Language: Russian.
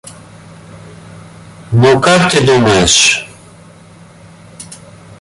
Ну, как ты думаешь?